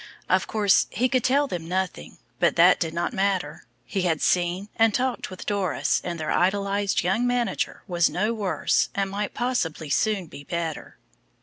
Of course, he could tell them nothing, but that did not matter, he had seen and talked with Doris and their idolised young manager was no worse and might possibly soon be better.